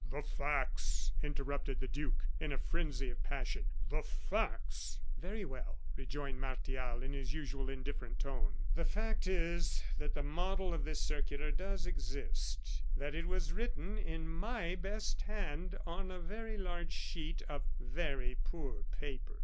"The facts!" interrupted the duke, in a frenzy of passion; "the facts!" "Very well," rejoined Martial, in his usual indifferent tone; "the fact is that the model of this circular does exist, that it was written in my best hand on a very large sheet of very poor paper.